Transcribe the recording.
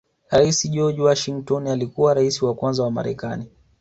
Rais George Washington alikuwa Rais wa kwanza wa marekani